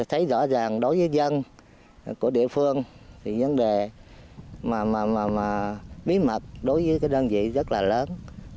thấy rõ ràng đối với dân của địa phương thì vấn đề mà bí mật đối với cái đơn vị rất là lớn